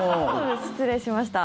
失礼しました。